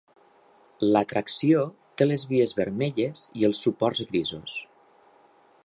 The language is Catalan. L'atracció té les vies vermelles, i els suports grisos.